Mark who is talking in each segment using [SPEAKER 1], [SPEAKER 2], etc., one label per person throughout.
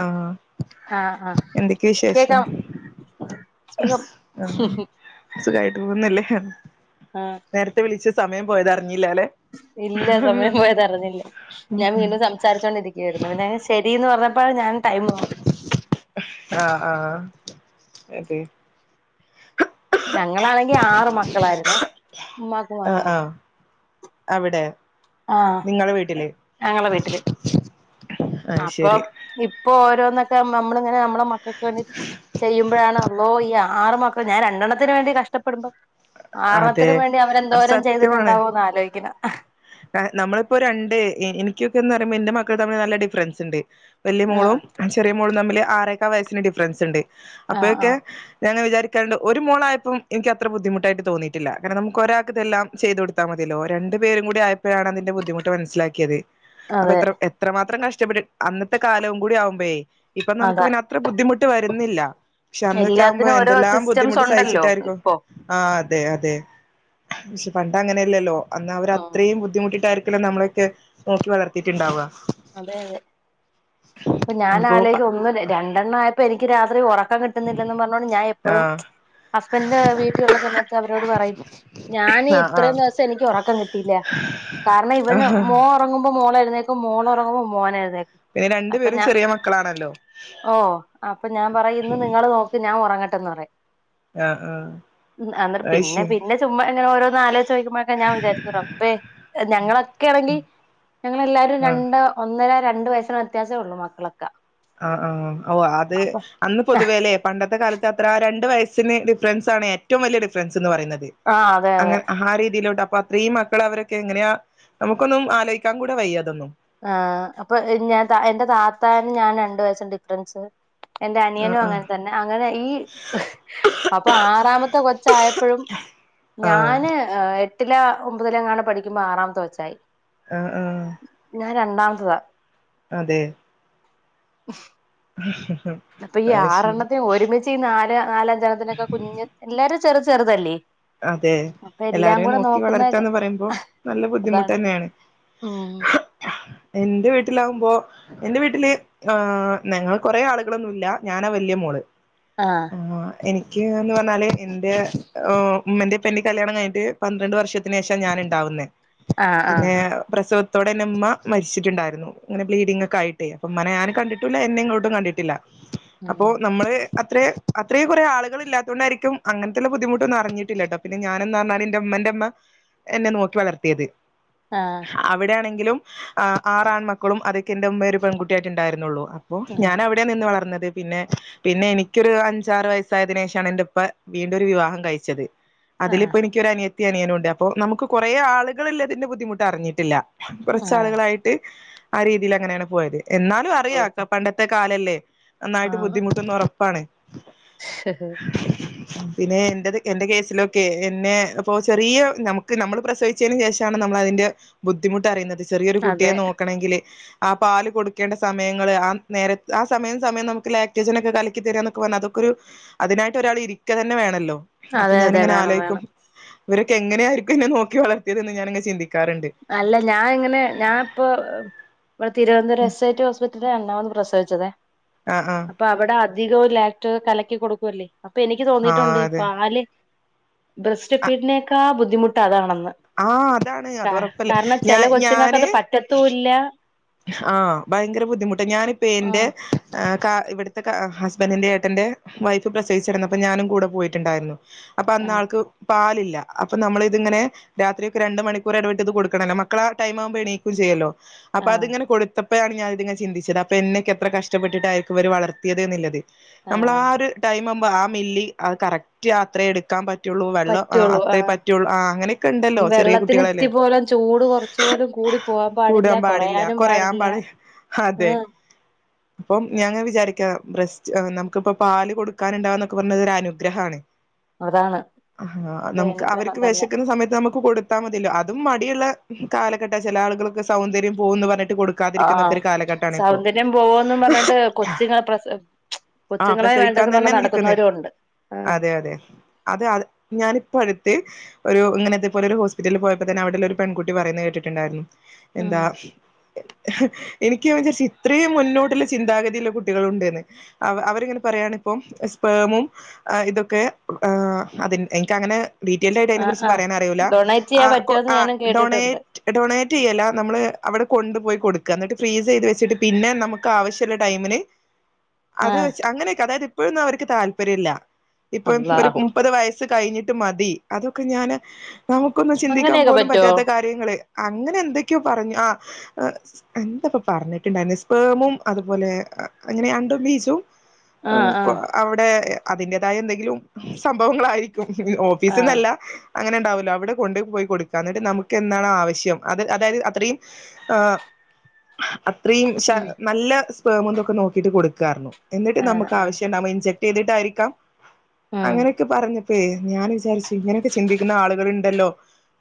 [SPEAKER 1] ആ
[SPEAKER 2] ആഹ് ആഹ്
[SPEAKER 1] എന്തൊക്കെയ വിശേഷം
[SPEAKER 2] കേക്കാം സുഖം [unintelligible]
[SPEAKER 1] സുഖമായിട്ട് പോകുന്നല്ലേ
[SPEAKER 2] ആഹ്
[SPEAKER 1] നേരത്തെ വിളിച്ച സമയ പോയതാ
[SPEAKER 2] ഇല്ല സമയം പോയതറിഞ്ഞില്ല ഞാൻ വീണ്ടും സംസാരിച്ചോൊണ്ടിരിക്കുവായിരുന്നു പിന്ന ശരിീന്ന് പറഞ്ഞ അപ്പ ഞാൻ ടൈം നോക്കണം
[SPEAKER 1] അത
[SPEAKER 2] ഞങ്ങളാണെങ്കി ആറ് മക്കളായിുന്നേ ഉമ്മാക്കും
[SPEAKER 1] ആഹ്
[SPEAKER 2] മാത്തക്കും
[SPEAKER 1] ആഹ് അവിടെ
[SPEAKER 2] ആഹ
[SPEAKER 1] നിങ്ങളെ വീട്ടില്
[SPEAKER 2] ഞങ്ങളെ വീട്ടില്
[SPEAKER 1] അത്
[SPEAKER 2] അപ്പൊ
[SPEAKER 1] ശരി
[SPEAKER 2] ഇപ്പൊ ഓരോ ൊക്കെ നമ്മള ഇങ്ങനെ നമ്മ ചെയ്യ ഴണല്ലോ ഈ ആറ് മക്കള ഞാൻ രണ്ടെണത്തിന് വേണ്ടി കഷ്ടപ്പെടുമ്പോ
[SPEAKER 1] അതെ
[SPEAKER 2] ആാരണത്തിനന് വേണ്ടി
[SPEAKER 1] അത്
[SPEAKER 2] അവരെന്തോരം ചെയ്തിട്ടുണ്ടാവോന്ന് ആലോിക്ക അ
[SPEAKER 1] നമ്മളിപ്പോൊ രണ്ട് എനിക്കൊക്കെന്ന് പറയുമ്പോ എന്റെ മക്കൾ തമ്മിൽ നല്ല ഡിഫറൻസ് ഉണ്ട് വലിയ മോളും
[SPEAKER 2] ആഹ്
[SPEAKER 1] ചെറിയ മോൾ തമ്മില് ആറേകാ വയസ്സിന്റെ ഡിഫറൻസ് ണ്ട്
[SPEAKER 2] ആഹ്
[SPEAKER 1] അപ്പഴൊക്കെ
[SPEAKER 2] ആഹ്
[SPEAKER 1] ഞാന് വിചാരി രണ്ട് ഒരു മോളായപ്പം എനിക്കത്ര ബുദ്ധിമുട്ടായിട്ട് തോന്നിയിട്ടില്ല കാരണം നമുക്ക് ഒരാക്ക് ഇതെല്ലാം ചെയ്തു കൊടുത്താ മതില്ലോ രണ്ടു പേരും കൂടിയാ ഇപ്പഴാണ് അതിന്റെ ബുദ്ധിമുട്ട് മനസ്സിലാക്കിയത് അപ്പ
[SPEAKER 2] അതെ
[SPEAKER 1] എത്ര എത്രമാത്രം കഷ് ഇഷ്ടപ്പെട്ട് അന്നത്തെ കാലവും കൂടി ആവുമ്പഴേ ഇപ്പ നമുക്ക്
[SPEAKER 2] അതാ
[SPEAKER 1] പിന്നെ അത്ര ബുദ്ധിമുട്ട് വരുന്നില്ല പക്ഷെ അന്നൊക്കെ ആവുമ്പോ
[SPEAKER 2] എല്ലാത്തിനും ഓരോ
[SPEAKER 1] എന്തെല്ലാം
[SPEAKER 2] സിസ്റ്റംസ്
[SPEAKER 1] ബുദ്ധിമുട്ട്
[SPEAKER 2] ഉണ്ടല്ലോ
[SPEAKER 1] സഹിച്ചിട്ടായിരിക്കും
[SPEAKER 2] ഇപ്പൊ
[SPEAKER 1] ആൻ അതെ അതെ പക്ഷെ പണ്ട് അങ്ങനെയല്ലല്ലോ അന്ന് അവര്
[SPEAKER 2] ആഹ്
[SPEAKER 1] അത്രയും ബു ഇതാരിക്കില്ല നമ്മളൊക്കെ നോക്കി വളർത്തീട്ടിണ്ടാവ
[SPEAKER 2] അതെ അതെ പ്പ ഞാൻ
[SPEAKER 1] ഇനിയിപ്പോ
[SPEAKER 2] ആലോയിക്ക ഒന്ന് രണ്ടെണ്ണം ആയപ്പോ എനിക്ക് രാ റി ഒറ ക്കം കിട്ടുന്നില്ലെന്ന് പർഞ്ഞോണ്ട് ഞാൻ
[SPEAKER 1] ആ
[SPEAKER 2] എപ്പഴും ഹസ്ബൻഡിന്റെ വീട്ടിലുള്ള സമയത്ത് അവരോട് പറയും ഞാന്
[SPEAKER 1] ആ
[SPEAKER 2] ഇത്രേം ദിവസം എനിക്ക് ഒറക്കം കിട്ടുല്ല കാര്ണം ഇവന്
[SPEAKER 1] ആ
[SPEAKER 2] മോൻ ഒറങ്ങുമ്പോ മോളെ എഴുന്നേൽ മോള് നമുക്ക് മോനേന്ന്
[SPEAKER 1] പിന്നെ രണ്ടു
[SPEAKER 2] അപ്പൊ
[SPEAKER 1] പേരും
[SPEAKER 2] ഞാ
[SPEAKER 1] ചെറിയ മക്കളാണല്ലോ
[SPEAKER 2] ഓ അപ്പ ഞാൻ പറയുന്ന് നിങ്ങള് നോക്ക് ഞാൻ ഒറങ്ങ ട്ടെന്ന് പറയും
[SPEAKER 1] ആഹ് ആഹ്
[SPEAKER 2] അന്നരം പിന്നെ
[SPEAKER 1] അയ്ശെ
[SPEAKER 2] പിന്നെ ചുമ്മാ ഇങ്ങനെ ഓരോന്ന് ആലോയ്ച്ച് ചോയ്ക്കുമ്പഴൊക്കെ ഞാൻ വിചാരിക്കും റബ്ബേ ഞങ്ങളൊക്കേണെങ്കി ഞങ്ങളെല്ലാരും
[SPEAKER 1] ആഹ്
[SPEAKER 2] രണ്ടോ ഒന്നര രണ്ട് വയസ്സിന് വ്യത്യാസേ ഉളളൂ മക്കളൊക്കെ
[SPEAKER 1] അ ആ ഓ അത്
[SPEAKER 2] അപ്പൊ
[SPEAKER 1] അന്ന് പൊതുവേ ലെ പണ്ടത്തെ കാലത്ത് അത്ര രണ്ട് വയസ്സിന് ഡിഫ്രൻസ് ആണ് ഏറ്റവും വലിയ ഡിഫ്രൻസ് സ്ന്ന് പറയുന്നത്
[SPEAKER 2] ആ അതെ അതെ
[SPEAKER 1] അങ്ങ ആ രീതിയിലോട്ട് അപ്പൊ അത്രീറ മക്കളെ അവരൊക്കെ എങ്ങനെയാ നമുക്കൊന്നും ആലോയിക്കാൻ കൂടെ വയ്യ അതൊന്നും
[SPEAKER 2] ആ അപ്പൊ ഞാൻ ത എന്റെ താത്താനും ഞാൻ രണ്ടു വയസ്സിന്റെ ഡിഫ്റൻസ് എന്റെ
[SPEAKER 1] ആഹ്
[SPEAKER 2] അനിയനും
[SPEAKER 1] ആഹ്
[SPEAKER 2] അങ്ങൻ തന്നെ അങ്ങനെ ഈ അപ്പൊ ആറാമത്തെ കൊച്ചായപ്പോഴും
[SPEAKER 1] ആഹ്
[SPEAKER 2] ഞാന് എട്ടില ഒൻമ്പതലങ്ങാണ് പഠിക്കുമ്പം ആറാമത്തെ കൊച്ചായി
[SPEAKER 1] അ ആ
[SPEAKER 2] ഞാൻ രണ്ടാമത്തതാ
[SPEAKER 1] അതെ
[SPEAKER 2] [unintelligible]
[SPEAKER 1] [unintelligible]
[SPEAKER 2] അപ്പൊ ഈ
[SPEAKER 1] അയ്ശരി
[SPEAKER 2] ആറെണ്ണത്തിനെ ഒരുമിച്ചിന്നാരാ നാലാം ജനത്തിനൊക്കെ കുഞ്ഞ് എല്ലാരും ചെറു ചെറുതല്ലേ
[SPEAKER 1] അതെ
[SPEAKER 2] അപ്പൊ എല്ലാം
[SPEAKER 1] എല്ലാവരെയും
[SPEAKER 2] കൂടെ
[SPEAKER 1] നോക്കി
[SPEAKER 2] നോക്കുന്ന
[SPEAKER 1] വളർത്താന്ന് പറിമ്പോ നല്ല ബുദ്ധിമുട്ട്
[SPEAKER 2] അതാണ്
[SPEAKER 1] തന്നെയാണ്
[SPEAKER 2] ഉം
[SPEAKER 1] എന്റെ വീട്ടിലാവുമ്പോ എന്റെ വീട്ടില് ആ ഞങ്ങൾ കൊറേ ആളുകളൊന്നുല്ല ഞാനാ വല്ല്യ മോള് ആഹ് എനിക്ക് ന്ന് പറഞ്ഞാല് എന്റെ ഉം ഉമ്മന്റിം ഉപ്പന്റിം കല്യാണം കഴിഞ്ഞിട്ട് പന്ത്രണ്ട് വർഷത്തിന് ശേഷാ ഞാൻ ഇണ്ടാവുന്നേ
[SPEAKER 2] ആഹ് ആഹ്
[SPEAKER 1] പിന്നെ പ്രസവ ത്തോടെ ഇൻ്റെമ്മ മരിച്ചിട്ടിണ്ടായിരുന്നു അങ്ങനെ ബ്ലീഡിംങ് ഒക്കെ ആയിട്ടെ അപ്പ ഇമ്മാനെ ഞാൻ കണ്ടിട്ടില്ല എന്നെ ഇങ്ങോട്ടും കണ്ടിട്ടില്ല അപ്പോ
[SPEAKER 2] ഉം
[SPEAKER 1] നമ്മള് അത്രെ അത്രീം കൊറെ ആളുകൾ ഇല്ലാത്തോണ്ടാരിക്കും അങ്ങനത്തുള്ള ബുദ്ധിമുട്ടൊന്നും അറിഞ്ഞിട്ടില്ല ട്ടോ പിന്നെ ഞാൻ എന്ന് പറഞ്ഞാല് എന്റെ ഉമ്മന്റെ അമ്മ എന്നെ നോക്കി വളർത്തിയത്
[SPEAKER 2] ആഹ്
[SPEAKER 1] അവിടെയാണെ ങ്കിലും ആ ആറാൺമക്കളും അതൊക്കെ ആന്റെ ഉമ്മേ ഒരു പെൺകുട്ടിയായിട്ടിണ്ടായിരുന്നുള്ളൂ അപ്പം
[SPEAKER 2] ആഹ്
[SPEAKER 1] ഞാൻ അവിടെയാ നിന്ന് വളർന്ന അത് പിന്നെ പിന്നെ എനി എനിക്കൊരു അഞ്ചാറ് വയസ്സായതിനു ശേഷമാണ് എന്റെ ഉപ്പ വീണ്ടും ഒരു വിവാഹം കഴിച്ചത് അതില് ഇപ്പൊ എനിക്ക് ഒരു അനി യത്തി അനിയനും ഉണ്ട് അപ്പ നമുക്ക് കുറേ ആളുകൾ ഇല്ലത്തതിന്റെ ബുദ്ധിമുട്ട് അറിഞ്ഞിട്ടില്ല ഞ
[SPEAKER 2] ആഹ്
[SPEAKER 1] കുറച്ചാളുകളായിട്ട് ആ രീതിൽ അങ്ങനെയാണ് പോയത് എന്നാലു അറിയാക്ക പണ്ടത്തെ കാലല്ലേ [inaudible] നന്നായിട്ട് ബുദ്ധിമുട്ടുംന്ന്റ പ്പാണ്
[SPEAKER 2] ഹ് ഹ്
[SPEAKER 1] പിന്നെ എന്റെത് എന്റെ കേസിലൊക്കെ എന്നെ ഇപ്പൊ ചെറിയ നമുക്ക് നമ്മള് പ്രസവിച്ചതിനു ശേഷാണ് നമ്മൾ അതിന്റെ ബുദ്ധിമുട്ട് അറിയുന്നത് ചെറിയൊരു കുട്ടിയെ
[SPEAKER 2] അതെ
[SPEAKER 1] നോക്കണെങ്കില് ആ പാല് കൊടുക്കേണ്ട സമയങ്ങള് ആ നേര ആ സമയം സമയം നമുക്ക് ലേക്റ്റോജെനൊക്കെ കലക് ക്കി തരാന്നൊക്കെ പറഞ അതൊക്കൊരു അതിനായിട്ടൊരാള് ഇരിക്കതന്നെ വേണല്ലോ അപ്പൊ
[SPEAKER 2] അതെ അതെ
[SPEAKER 1] ഞാനിങ്ങനെ
[SPEAKER 2] വേണം
[SPEAKER 1] ആലോചിക്കും
[SPEAKER 2] വേണം
[SPEAKER 1] ഇവരൊക്കെ എങ്ങനെയായിരിക്കൊന്നെ നോക്കി വളത്തിയതെന്ന് ഞാനങ്ങെ ചിന്തി
[SPEAKER 2] അല്ല ഞാ ഇങ്ങനെ ഞാപ്പൊ ഇവടെ തിരുവനന്തപുരം എസ് ഐ ടി ഹോസ്പിറ്റലിൽ എന്നാന്ന് പ്രസവിച്ചതേ
[SPEAKER 1] ആ ആ
[SPEAKER 2] അപ്പൊ അവടെ അധികവും ലാക്റ്റോ കലക്കി കൊടുക്കുവല്ലേ അപ്പൊ എനിക്ക്
[SPEAKER 1] ആ
[SPEAKER 2] തോന്നിയിട്ടുണ്ട് ഈ
[SPEAKER 1] അതെ
[SPEAKER 2] പാല് ബ്രസ്റ്റ് ഫീഡിനേക്കാ ബുദ്ധിമുട്ട് അതാണെന്ന്
[SPEAKER 1] ആഹ് അതാണ് അത്
[SPEAKER 2] ആ
[SPEAKER 1] ഉറപ്പല്ലേ
[SPEAKER 2] കാരണം ചെല കൊച്ചുങ്ങക്കത് പറ്റത്തൂല്ല
[SPEAKER 1] ഹാ ഭയങ്കര ബുദ്ധിമുട്ട് ഞാനിപ്പൊ എന്റെ
[SPEAKER 2] ആഹ്
[SPEAKER 1] കാ ഇവിട്ത്തെ ഹസ്ബൻഡിൻ്റെ ഏട്ടൻ്റെ വൈഫ് പ്രസവിച്ചിരുന്നപ്പൊ ഞാനും കൂടെ പോയിട്ടുണ്ടായിരുന്നു അപ്പൊ അന്ന
[SPEAKER 2] ആഹ്
[SPEAKER 1] ആൾക്ക് പാലില്ല അപ്പൊ നമ്മള് ഇത്ങ്ങനെ രാത്രി ഒക്കെ ല്ല അപ്പന്നമ്മൾ രണ്ട് മണിക്കൂർ എടവിട്ടിത് കൊടുക്കണല്ലോ മക്കള ടൈം ആവുമ്പോ എണീക്കും ചെയ്യല്ലോ അപ്പൊ
[SPEAKER 2] ആഹ്
[SPEAKER 1] അതിങ്ങനെ കൊടുത്തപ് പ്പെ ആണിത് ഞാനിതിങ്ങെ ചിന്തിച്ചത് അപ്പോ എന്നൊക്കെ എത്ര കഷ്ടപ്പെട്ടിട്ടായിരിക്കുംഇവര് വളർയത് ന്നില്ലത് നമ്മൾ ആ
[SPEAKER 2] ആഹ്
[SPEAKER 1] ഒരു ടൈമം ആവു പ്പൊ ആ മില്ലി അഹ് കറക്റ്റ് അത്ര എടുക്കാൻ പ
[SPEAKER 2] പറ്റുള്ളൂ ആ
[SPEAKER 1] അങ്ങനെയൊക്കെ ഉണ്ടല്ലോ
[SPEAKER 2] ഇനി
[SPEAKER 1] ചെറിയ
[SPEAKER 2] വെള്ളത്തിന്
[SPEAKER 1] കുട്ടികളല്ലേ
[SPEAKER 2] ത്തി പോലും ചൂട് കൊറച്ചു പോലും കൂടി പോവാൻ പാടില്ല കുറയാ
[SPEAKER 1] കൊറയാമ്പാട് അതെ പ്പം ഞാങ്ങ വിചാരിക്ക ബ്രസ്റ്റ് നമുക്കിപ്പൊ പാല് കൊടുക്കാനുണ്ടാവന്നൊക്കെ പറഞ്ഞത് ഒരു അനുഗ്രഹാണ്
[SPEAKER 2] അതാണ്
[SPEAKER 1] അഹാ
[SPEAKER 2] അതെ
[SPEAKER 1] നമുക്ക്
[SPEAKER 2] അനുഗ്രഹം
[SPEAKER 1] അവർക്ക്
[SPEAKER 2] തന്നെ
[SPEAKER 1] വെശക്കുന്ന സമയത്ത് നമുക്ക് കൊടുത്താ മതില്ലോ അതും മടിയുള്ള കാലഘട്ട ചെല ആളുകൾക്ക് സൗന്ദര്യം പോവുന്ന് പർഞ്ഞിട്ട് ട്ട് കൊടുക്കാതിരിക്കുന്നക്കെ
[SPEAKER 2] ആഹ്
[SPEAKER 1] ഒരു കാലഘട്ട ആണ് ഇപ്പോ.
[SPEAKER 2] സൗന്ദര്യം പോവോന്നും പറഞ്ഞിട്ട് കൊച്ചുങ്ങൾ പ്രസ
[SPEAKER 1] ആ
[SPEAKER 2] കൊച്ചുങ്ങളെ
[SPEAKER 1] പ്രസവിക്കാൻ
[SPEAKER 2] വേണ്ടെന്ന് പറഞ്ഞ്
[SPEAKER 1] തന്നെ നിൽക്കുന്നെ
[SPEAKER 2] നടക്കുന്നവരും ഉണ്ട് ആഹ്
[SPEAKER 1] അതെ അതെ അതെ അ ഞാനിപ്പോ ഒരു ഇങ്ങനത്തെ പോലെ ഒരു ഹോസ്പിറ്റലിൽ പോയപ്പോ തന്നെ അവിടെള്ളൊരു പെൺകുട്ടി പറയുന്നത് കേട്ടിട്ടുണ്ടായിരുന്നു എന്താ എനിക്ക് വിചാരിച് ഇത്രയും മുന്നോട്ടുള്ള ചിന്താഗതി ള്ള കുട്ടികളുണ്ടെന്ന് അവർ അവരിങ്ങനെ പറയാണ് പ്പം സ്പേമും ഇതൊക്കെ ആ അതിൻ്റ എനിക്ക അങ്ങനെ ഡീറ്റെയിൽഡ് ആയിട്ട് അയിനെ
[SPEAKER 2] ആഹ്
[SPEAKER 1] കുറിച്ച്
[SPEAKER 2] ആഹ്
[SPEAKER 1] പറയാൻ അറിയൂല്ല.
[SPEAKER 2] ഡൊണേറ്റ്
[SPEAKER 1] ആ
[SPEAKER 2] ചെയ്യാൻ പറ്റുമോന്ന്
[SPEAKER 1] ആ
[SPEAKER 2] ഞാനും കേട്ടിട്ടുണ്ട്
[SPEAKER 1] ഡൊണേറ്റ് ഡൊണേറ്റ് റ്റ് യ്യല്ല നമ്മള് അവിടെ കൊണ്ടുപോയി കൊടുക്ക. ന്നിട്ട് ഫ്രീസ് യ്ത് വെച്ചിട്ട് പിന്നെ നമുക്ക് ആവശ്യള്ള ടൈമിന് അത്
[SPEAKER 2] ആഹ്
[SPEAKER 1] വെച്ച് അങ്ങനെയൊക്കെ അതായത് ഇപ്പഴും ന്നും അവര് ക്ക് താല്പര്യം ഇല്ല ഇപ്പം ഒരു
[SPEAKER 2] അള്ളാഹു
[SPEAKER 1] മുപ്പത് വയസ് കഴിഞ്ഞിട്ട് മതി അതൊക്കെ ഞാന് നമുക്കൊന്നും ചിന്തിക്കാൻ
[SPEAKER 2] അങ്ങനെയൊക്കെ
[SPEAKER 1] പോലും
[SPEAKER 2] പറ്റുവോ
[SPEAKER 1] പറ്റാത്ത കാര്യങ്ങള് അങ്ങനെ എന്തൊക്കെയോ പറഞ്ഞു ആ എന്താ ഇപ്പം പറഞ്ഞിട്ടുണ്ടായിരുന്നേ സ്പേമും അതുപോലെ അങ്ങനെയാ അണ്ടോം ബീജവും
[SPEAKER 2] ആഹ് ആഹ്
[SPEAKER 1] അവിടെ അതിന്റേതായ എന്തെങ്കിലും സംഭവങ്ങളായിരിക്കും ഓഫീസ് ഒന്നും
[SPEAKER 2] ആഹ്
[SPEAKER 1] അല്ല അങ്ങനെ ഉണ്ടാവുമല്ലോ അവിടെ കൊണ്ട് പോയി കൊടുക്കുക എന്നിട്ട് നമുക്ക് എന്താണ് ആവശ്യം അത് അതായത് അത്രയും ആ അത്രയും ശ
[SPEAKER 2] ഉം
[SPEAKER 1] നല്ല സ്പേമും ഇതൊക്കെ നോക്കിട്ട് കൊടുക്കായിരുന്നു എന്നിട്ട്
[SPEAKER 2] ആഹ്
[SPEAKER 1] നമുക്ക്
[SPEAKER 2] ആഹ്
[SPEAKER 1] ആവശ്യം ഇണ്ടാവുമ്പം ഇ ചെ ചെയ്തിട്ടായിരിക്കാം
[SPEAKER 2] ഉം
[SPEAKER 1] അങ്ങനെയൊക്കെ പറഞ്ഞി അപ്പേ ഞാൻ വിചാരിച്ചു ഇങ്ങനെയൊക്കെ ചിന്തിക്കുന്ന ആളുകൾ ഇണ്ടല്ലോ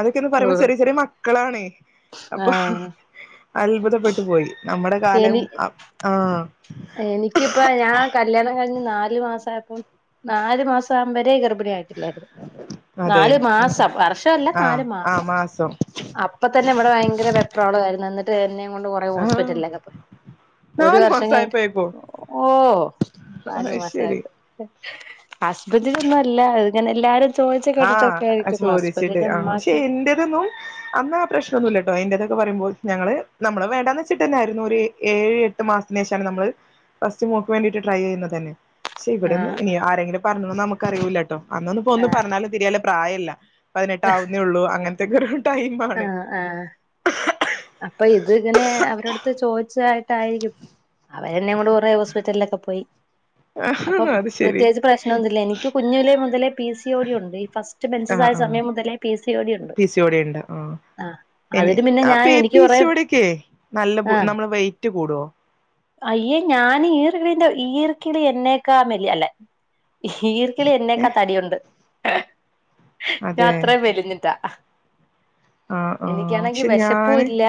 [SPEAKER 1] അതൊക്കെ ഒന്ന് പറയുമ്പോ
[SPEAKER 2] ഉം
[SPEAKER 1] ചെറിയ ചെറിയ മക്കളാണ് അപ്പൊ
[SPEAKER 2] ആഹ്
[SPEAKER 1] അത്ഭുതപ്പെട്ടു പോയി. നമ്മുടെ കാലം
[SPEAKER 2] എനി
[SPEAKER 1] ആ
[SPEAKER 2] എനിക്കിപ്പ ഞാൻ കല്യാണം കഴിഞ്ഞ് നാല് മാസ ആയപ്പോ നാല് മാസം ആവുമ്പോഴേ ഗർഭി
[SPEAKER 1] അതെ
[SPEAKER 2] നാലുമാസം വർഷ അല്ല
[SPEAKER 1] ആഹ്
[SPEAKER 2] നാലു
[SPEAKER 1] ആഹ്
[SPEAKER 2] മാസം അപ്പ തന്നെ ഇവിടെ ഭയങ്കര വെപ്രാളം ആരുന്ന് എന്നി [unintelligible] [unintelligible] അതു കൊണ്ടു കൊറേ
[SPEAKER 1] ആഹ്
[SPEAKER 2] ഹോസ്പിറ്റലിലക്കെ ഒരു
[SPEAKER 1] നാലു
[SPEAKER 2] വർഷം കഴിഞ്ഞിട്ട്
[SPEAKER 1] മാസായപ്പോഴേക്കോ
[SPEAKER 2] ഓ നാലു
[SPEAKER 1] അയ്ശരി
[SPEAKER 2] മാസായപ്പം ഉ [unintelligible] ആസ്പറ്റലിലൊന്നും അല്ല അത് ഞാൻ എല്ലാരും ചോദിച്ച്
[SPEAKER 1] ആ
[SPEAKER 2] കേട്ടിട്ടൊക്കെ ആയിരിക്കും
[SPEAKER 1] ചോദിച്ചിട്ട്
[SPEAKER 2] ഹസ്ബൻഡിന്റെ
[SPEAKER 1] ആ ക്ഷെ
[SPEAKER 2] ഉമ്മാക്ക്
[SPEAKER 1] എന്റേതൊന്നും അന്നാ പ്രശ്നമൊന്നുമില്ലട്ടോ എന്റേത് ന്ന് പറയുമ്പോ ഞങ്ങള് നമ്മള് വേണ്ടാന്ന് വെച്ചിട്ട്ന്നായിരുന്നു ഒരു ഏ ഏഴ് എട്ട് മാസത്തിന് ശേഷാണ് നമ്മള് ഫസ്റ്റ് മോക്ക് വേണ്ടിട്ട് ട്രൈ ചെയ്യുന്നത് തന്നെ ക്ഷേവിടെന്നും
[SPEAKER 2] ആഹ്
[SPEAKER 1] ഇനി ആരെങ്കിലും പറഞ്ഞൊന്നു നമുക്ക് ക്കറിയൂലാട്ടോ അന്നൊന്നുപ്പോന്ന്
[SPEAKER 2] ആഹ്
[SPEAKER 1] പറഞ്ഞാലും തിരിയല് പ്രായില്ല പതിനെട്ട് ആവുന്നേള്ളൂ അങ്ങനെ ഗ [unintelligible]
[SPEAKER 2] ആ ആ അപ്പൊ ഇത് ഇങ്ങനെ അവരടുത്ത് ചോദിച്ചാ ട്ടായിരിക്കും അവരെന്നേംകൊണ്ട് കുറേ ഹോസ്പിറ്റലിലൊക്കെ പോയി അപ്പം
[SPEAKER 1] ആഹ് അത് ശരി
[SPEAKER 2] പ്രത്യേകിച്ച് പ്രശ്നൊന്നുല്ല എനിക്ക് കുഞ്ഞിലെ മുതലേ പി സി ഒടിയുണ്ട് ഈ ഫസ്റ്റ്
[SPEAKER 1] ആഹ്
[SPEAKER 2] മെൻസസായാ സമയം മുതലേ പി സി ഒ ടി ഉണ്ട്
[SPEAKER 1] ആ
[SPEAKER 2] ആഹ്
[SPEAKER 1] ഇനി
[SPEAKER 2] അതിന് പിന്നെ
[SPEAKER 1] ആ
[SPEAKER 2] ഞാൻ
[SPEAKER 1] പി
[SPEAKER 2] എനിക്ക്
[SPEAKER 1] പി
[SPEAKER 2] കൊറേ
[SPEAKER 1] സി ഒ ടിക്കെ നല്ലപോ
[SPEAKER 2] ആഹ്
[SPEAKER 1] നമ്മള് വെയ്റ്റ് കൂടോ
[SPEAKER 2] അയ്യേ ഞാൻ ഈർക്കിലിന്റെ ഈർക്കില് എന്നെക്കാ മെലിഞ്ഞ അല്ലെ ഈർക്കില് എന്നെക്കാ
[SPEAKER 1] ഏഹ്
[SPEAKER 2] തടിയുണ്ട് [inaudible] ഞാൻ
[SPEAKER 1] അതെ
[SPEAKER 2] അത്രയും മെലിഞ്ഞിട്ടാ
[SPEAKER 1] ആഹ് ആഹ്
[SPEAKER 2] എനിക്കാണെങ്കി
[SPEAKER 1] പക്ഷെ
[SPEAKER 2] വിശപ്പും
[SPEAKER 1] ഞാന്
[SPEAKER 2] ഇല്ല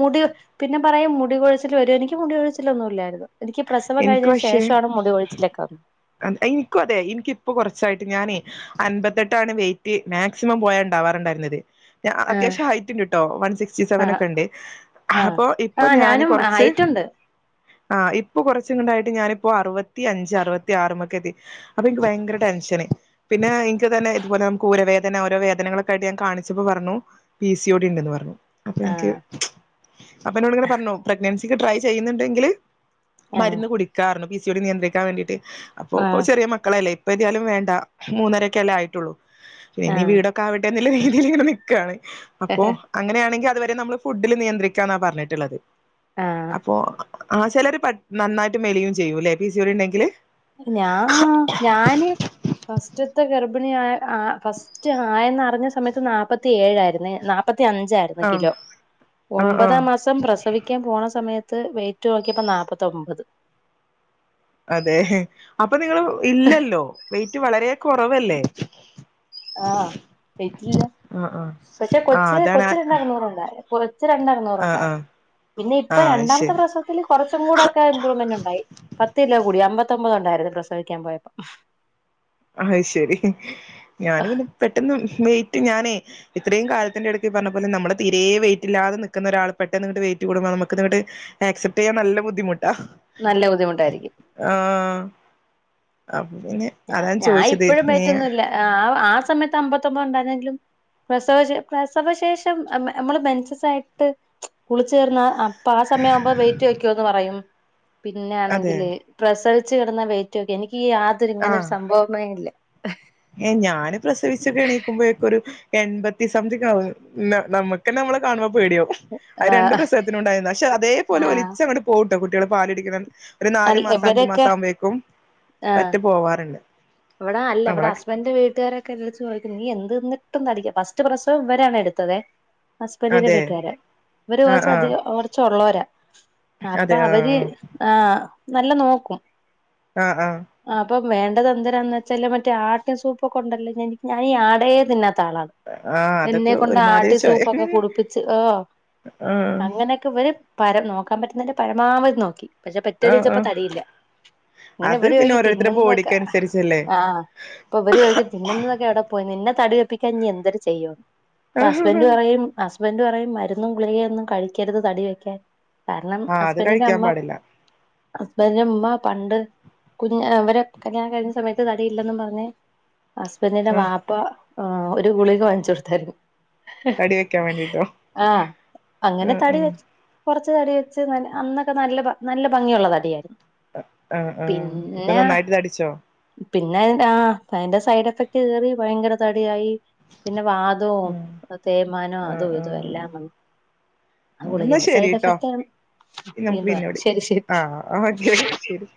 [SPEAKER 2] മുടി പിന്നെ പറയും മുടി കൊഴിച്ചില് വരും എനിക്ക് മുടികൊഴിച്ചിലൊന്നും ഇല്ലായിരുന്നു എനിക്ക് പ്രസവം
[SPEAKER 1] എനിക്ക്
[SPEAKER 2] കഴിഞ്ഞതിന്
[SPEAKER 1] പക്ഷേ
[SPEAKER 2] ശേഷമാണ് മുടി കൊഴിച്ചിലൊക്കെ വന്നത്
[SPEAKER 1] അത് എനിക്കും അതെ എനിക്കിപ്പോ കുറച്ചായിട്ട് ഞാനേ അൻപത്തെട്ട് ട്ടാണ് വെയ്റ്റ് മാക്സിമം പോയ ഇണ്ടാവാറുണ്ടായിരുന്നത് ഞാ അത്യാവശ്യം ഹൈറ്റ് ഉണ്ട് ട്ടോ വൺ സിക്സ്റ്റി സെവൻ
[SPEAKER 2] ആഹ്
[SPEAKER 1] ഒക്കെ ഉണ്ട്
[SPEAKER 2] ആഹ്
[SPEAKER 1] അപ്പൊ ഇപ്പൊ
[SPEAKER 2] ആഹ്
[SPEAKER 1] ഞാന്
[SPEAKER 2] ഞാനും
[SPEAKER 1] കൊറച്ച്
[SPEAKER 2] ഹൈറ്റുണ്ട്
[SPEAKER 1] ആ ഇപ് ഇപ്പൊ ക കൊറച്ചിങ്ങണ്ടായിട്ട് ഞാനിപ്പോ അറുപത്തി അഞ്ച് അറുപത്തി ആറുമൊക്കെ എത്തി അപ്പൊ എനിക്ക് ഭയങ്കര ടെൻഷന് പിന്നെ എനിക്ക് തന്നെ ഇതുപോലെ നമുക്ക് ഊരവേദന ഓരോ വേദനകളൊക്കെയായിട്ട് ഞാൻ കാണിച്ചപ്പോ പറഞ്ഞു പി സിയോടി ണ്ട്ന്ന് പറഞ്ഞു അപെൻക്
[SPEAKER 2] ആഹ്
[SPEAKER 1] അപ്പൊ എന്നോട് ങ്ങനെ പറഞ്ഞു പ്രഗ്നൻസിക്ക് ട്രൈ ചെയ്യുന്നുണ്ടെങ്കില്
[SPEAKER 2] ആഹ്
[SPEAKER 1] മരുന്ന് കുടിക്കാർന്ന് സിയോ ടി നിയന്ത്രിക്കാൻ വേണ്ടിയിട്ട് അപ്പൊപ്പോ
[SPEAKER 2] ആഹ്
[SPEAKER 1] ചെറിയ മക്കളല്ലേ ഇപ്പ ന്ത്യായാലും വേണ്ട മൂന്നരൊക്കെ അല്ലേ ആയിട്ടുള്ളൂ ഇനി
[SPEAKER 2] ആഹ്
[SPEAKER 1] വീടൊക്കെ ആവട്ടെ നല്ല രീതിയിൽ ഇങ്ങനെ നിക്കാണ് അപ്പോ അങ്ങനെയാണെങ്കി അത് നമ്മള് ഫുഡില് നിയന്ത്രിക്കാന്നാ പറഞ്ഞിട്ട്ള്ളത്
[SPEAKER 2] ആഹ്
[SPEAKER 1] അപ്പൊ ആ ചെലര് ബട്ട്‌ നന്നായിട്ട് മെലിയും ചെയ്യൂല്ലേ പി സി ഒ ഡി ഇണ്ടെങ്കില്
[SPEAKER 2] ഞാ ഞാന് ഫസ്റ്റ് ത്തെ ഗർഭിണിയായ ആ ഫസ്റ്റ് ആയെന്നറിഞ്ഞ സമയത്ത് നാല്പ്പത്തി ഏഴായിരുന്നെ നാൽപ്പത്തി അഞ്ചായിരുന്നു
[SPEAKER 1] ആഹ്
[SPEAKER 2] കിലോ
[SPEAKER 1] ആഹ് ആഹ്
[SPEAKER 2] ഒമ്പതാം മാസം പ്രസവിക്കാൻ പോണ സമയത്ത് ത്ത് വെയിറ്റ് നോക്കിയപ്പോ നാല്പ്പത്തൊമ്പത്
[SPEAKER 1] അതെ അപ്പൊ നിങ്ങൾ ഇല്ലല്ലോ വയ് റ്റ് വളരെ കൊറവല്ലേ
[SPEAKER 2] ആ വെയ്റ്റില്ല
[SPEAKER 1] ആഹ്
[SPEAKER 2] പക്ഷെ
[SPEAKER 1] ആഹ്
[SPEAKER 2] കൊച്ച്
[SPEAKER 1] അതാണ് ആഹ്
[SPEAKER 2] കൊച്ച് രണ്ടേ അറുന്നൂറുണ്ടായിരുന്നു കൊ
[SPEAKER 1] ആഹ്
[SPEAKER 2] രണ്ടറുന്നൂറുണ്ടായിരുന്നു പിന്നെ ഇപ്പൊ
[SPEAKER 1] ആഹ്
[SPEAKER 2] രണ്ടാമത്തെ
[SPEAKER 1] ശരി
[SPEAKER 2] പ്രസവത്തിൽ കുറച്ചും കൂടെ ഒക്കെ ഇമ്പ്രൂവ്മെന്റ്ണ്ടായി പത്ത് കിലോ കൂടി അമ്പത്തി പത്തൊമ്പത് ഉണ്ടായിരുന്നു പ്രസവിക്കാൻ പോയപ്പം
[SPEAKER 1] അയ്ശരി ഞാൻ പിന്നെ പെട്ടെന്ന് വെയിറ്റ് ഞാനേ ഇത്രയും കാലത്തിന്റെറെ ഇടയ്ക്ക് പറഞ്ഞ പോലെ നമ്മള് തീരെ വെയിറ്റ്ല്ലാതെ നിക്കുന്ന ഒരാൾ പെട്ടെന്ന്ങ്ങട്ട് വെയിറ്റ് കൂടുമ്പോ നമ്മക്ക് തങ്ങട്ട് ആക്സെപ്റ്റ് ചെയ്യാൻ നല്ല ബുദ്ധിമു
[SPEAKER 2] നല്ല ബുദ്ധിമുട്ടായിരിക്കും
[SPEAKER 1] ആ അപ്പ പിന്നെ അതാണ്
[SPEAKER 2] ഞാൻ
[SPEAKER 1] ചോദിച്ചത്
[SPEAKER 2] ഇപ്പോഴും
[SPEAKER 1] ഏ
[SPEAKER 2] വെയ്റ്റൊന്നും ഇല്ല ആ സമയത്ത് അമ്പത്തൊമ്പത് ഉണ്ടായിര്ന്നെങ്കിലും പ്രസവശേ പ്രസവശേഷം മെൻസസായിട്ട് കുളിചേർന്ന അപ്പൊ ആ സമയാവുമ്പോ വെയിറ്റ് വയ്ക്കോന്ന് പറയും
[SPEAKER 1] അതെ
[SPEAKER 2] പിന്നെണെങ്കില് പ്രസവ ച്ച് കിട്ടുന്ന വയ്റ്റോക്കെ എനിക്കീ ആ ഇങ്ങനെ ഒരു സംഭവമേ ഇല്ല
[SPEAKER 1] ഏ ഞാന് പ്രസവിച്ചൊക്കെ എണീക്കുമ്പോഴൊക്കെ ഒരു എൺപത്തി സംതിങ്ങാവും നമ്മക്കെന്നെ നമ്മളെ കാണുമ്പോ പേടിയാവും അത് രണ്ട്
[SPEAKER 2] ആ
[SPEAKER 1] പ്രസവത്തിനും ഉണ്ടായിരുന്നു പക്ഷെ അതേപോലെ
[SPEAKER 2] ആ
[SPEAKER 1] ഒലിചങ്ങട് പോവും കുട്ടികള് പാല് കുടിക്കുന്ന ഒരു നാല് മാസം അഞ്ചു
[SPEAKER 2] ഇവരൊക്കെ
[SPEAKER 1] മാസം ആവുമ്പോഴേക്കും പറ്റി പോവാറ
[SPEAKER 2] ഇവിടല്ല ഇവിട ഹസ്ബന്റ് വീട്ടുരൊക്കെ എന്റട്ത് ചോയിക്കും നീ എന്ത് ന്നിട്ട ഒട്ടും തടിക്ക് ഫസ്റ്റ് പ്രസവം ഇവരാണ് എടുത്തതെ ഹസബന്റിന്റെ
[SPEAKER 1] അതെ
[SPEAKER 2] വീട്ടുകാര ഇവര്
[SPEAKER 1] ആഹ്
[SPEAKER 2] കുറച്ച്
[SPEAKER 1] ആഹ്
[SPEAKER 2] അധിക കുറച്ചള്ളവരാ അപ്പൊ
[SPEAKER 1] അതെ
[SPEAKER 2] അവര്
[SPEAKER 1] ആഹ്
[SPEAKER 2] ആ നല്ല നോക്കും
[SPEAKER 1] ആ ആ
[SPEAKER 2] [unintelligible] വേണ്ടതെന്ത [unintelligible] വെച്ചാല് മറ്റേ ആട്ടും സൂപ്പൊക്കെണ്ടല്ലോ [unintelligible] ഞാനീ ആടേ തിന്നാ ത്താളാണ്
[SPEAKER 1] ആഹ്
[SPEAKER 2] എന്നെ
[SPEAKER 1] അതൊക്കെ
[SPEAKER 2] കൊണ്ട്
[SPEAKER 1] ഒരുമാതിരി
[SPEAKER 2] ആട്ടിൻ
[SPEAKER 1] ചൊയ
[SPEAKER 2] സൂപ്പൊക്കെ കുടിപ്പിച്ച് ഓ
[SPEAKER 1] ആഹ്
[SPEAKER 2] അങ്ങനൊക്കെ ഇവര് പരം നോക്കാൻ പറ്റുന്നതിന്റെ പരമാവധി നോക്കി പക്ഷെ
[SPEAKER 1] ആഹ്
[SPEAKER 2] പെറ്റണീച്ചപ്പോ
[SPEAKER 1] ആഹ്
[SPEAKER 2] തടിയില്ല അങ്ങനെ
[SPEAKER 1] അത്
[SPEAKER 2] ഇവര്
[SPEAKER 1] പിന്നെ
[SPEAKER 2] ഓയിക്കും
[SPEAKER 1] ഓരോരുത്തരുടെ
[SPEAKER 2] തിന്നുന്നതൊക്കെ
[SPEAKER 1] ബോഡിക്ക് അനുസരിച്ചല്ലേ
[SPEAKER 2] ആഹ് ആ പ്പ ഇവര് ചോദിക്കുവാ തിന്നുന്നതൊക്കെ എവിടെ പോയി നിന്ന തടി വെപ്പിക്കാൻ ഇനി എന്തര് ചെയ്യോ പ്പ ഹസ്ബൻഡ്
[SPEAKER 1] ആഹ്
[SPEAKER 2] പറയും ഹസ് ബൻഡറ് പറയും മരുന്നും ഗുളികെം ഒന്നും കഴിക്കരുത് തടി വെക്കാൻ കാരണം
[SPEAKER 1] ആ അത് കഴിക്കാൻ പാടില്ല
[SPEAKER 2] ഹസ്ബന്റെ ഉമ്മ പണ്ട് കുഞ്ഞ ഇവരെ കല്യാണം കഴിഞ്ഞ സമയ തടിയില്ലെന്നും പറഞ്ഞ് ഹസ്ബന്റിന്റെ
[SPEAKER 1] ആഹ്
[SPEAKER 2] വാപ്പ ആ ഒരു ഗുളിക വാങ്ങിച്ചു കൊടുത്തായിരുന്നു
[SPEAKER 1] തടി വെക്കാൻ വേണ്ടിട്ടോ
[SPEAKER 2] ആ അങ്ങനെ
[SPEAKER 1] ആഹ്
[SPEAKER 2] തടി
[SPEAKER 1] ആഹ്
[SPEAKER 2] വെച്ച് കൊറച്ച് തടി വെച്ചു [unintelligible] അന്നൊക്കെ നല്ല നല്ല ഭംഗിയുള്ള തടിയായിരുന്നു
[SPEAKER 1] ആ ആ ഇപ്പൊ
[SPEAKER 2] പിന്നെ
[SPEAKER 1] നന്നായിട്ട് തടിച്ചോ?
[SPEAKER 2] പിന്നെ [unintelligible] ആ അതിന്റെ സൈഡ് എഫക്ട് കേറി ഭയങ്കര തടിയായി പിന്നെ വാതോം
[SPEAKER 1] ഉം
[SPEAKER 2] തേയ്മാനോം
[SPEAKER 1] ആഹ്
[SPEAKER 2] അതും ഇതും
[SPEAKER 1] ആഹ്
[SPEAKER 2] എല്ലാം വന്ന് ആ
[SPEAKER 1] എന്നാ
[SPEAKER 2] ഗുളികേന്റെ സൈഡ്
[SPEAKER 1] ശരിട്ടോ
[SPEAKER 2] എഫക്റ്റ് ആണ്
[SPEAKER 1] നമുക്ക്
[SPEAKER 2] വീണ്ടും ആയി
[SPEAKER 1] പിന്നെ വിളിക്കാം
[SPEAKER 2] ശരി ശരി
[SPEAKER 1] ആഹ് ഓക്കെ ശരി